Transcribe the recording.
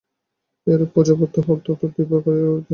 এইরূপ পূজা প্রত্যহ অন্তত দুইবার করিয়া করিতে হয়।